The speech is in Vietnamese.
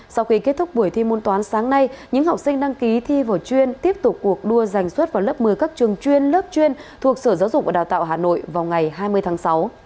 sau khi kết thúc buổi thi môn toán sáng nay những học sinh đăng ký thi vào chuyên tiếp tục cuộc đua giành xuất vào lớp một mươi các trường chuyên lớp chuyên thuộc sở giáo dục và đào tạo hà nội vào ngày hai mươi tháng sáu